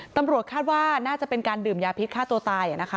ตำรวจคาดว่าน่าจะเป็นการดื่มยาพิษฆ่าตัวตายนะคะ